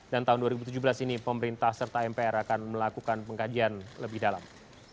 dan tahun dua ribu tujuh belas ini pemerintah serta mpr akan melakukan pengkajian lebih dalam